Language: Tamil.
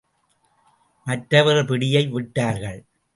மற்றவர்கள் பிடியை விட்டார்கள்.